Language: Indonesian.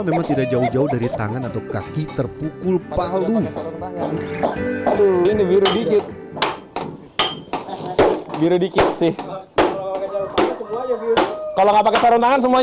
memang tidak jauh jauh dari tangan atau kaki terpukul palu dikit